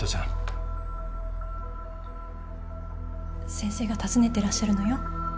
先生が尋ねてらっしゃるのよ。